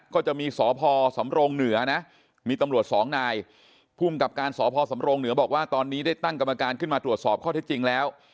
ก็จะมีสพสำรงเหนือนะมีตำรวจสองนายภูมิกับการสพสำรงเหนือบอกว่าตอนนี้ได้ตั้งกรรมการขึ้นมาตรวจสอบข้อเท็จจริงแล้ว